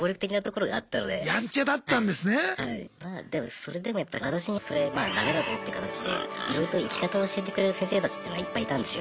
それでもやっぱり私にそれまあダメだぞって形でいろいろと生き方を教えてくれる先生たちっていうのはいっぱいいたんですよ。